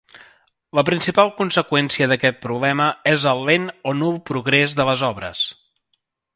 La principal conseqüència d'aquest problema és el lent o nul progrés de les obres.